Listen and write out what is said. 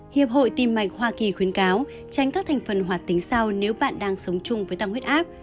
hiệp hội tim mạch hoa kỳ khuyến cáo tránh các thành phần hoạt tính sau nếu bạn đang sống chung với tăng huyết áp